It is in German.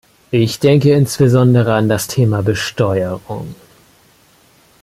Ich denke insbesondere an das Thema Besteuerung.